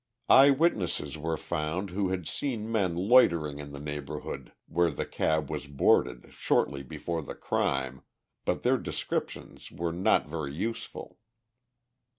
Eye witnesses were found who had seen men loitering in the neighborhood where the cab was boarded shortly before the crime, but their descriptions were not very useful.